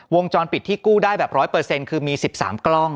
วงจรปิดที่กู้ได้แบบ๑๐๐คือมี๑๓กล้อง